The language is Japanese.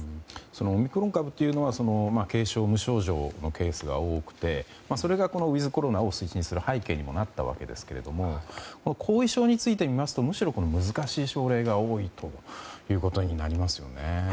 そのオミクロン株は軽症・無症状のケースが多くてそれがウィズコロナを進んでいく背景になったんですが後遺症についてみますとむしろ難しい症例が多いということになりますよね。